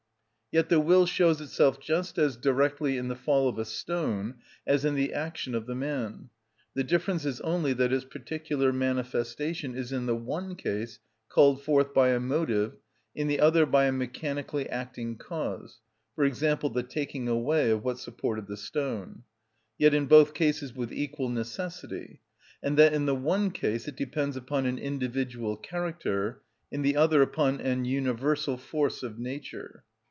Yet the will shows itself just as directly in the fall of a stone as in the action of the man; the difference is only that its particular manifestation is in the one case called forth by a motive, in the other by a mechanically acting cause, for example, the taking away of what supported the stone; yet in both cases with equal necessity; and that in the one case it depends upon an individual character, in the other upon an universal force of nature.